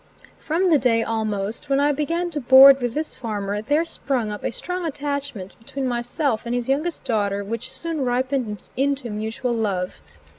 From the day, almost, when I began to board with this farmer there sprung up a strong attachment between myself and his youngest daughter which soon ripened into mutual love.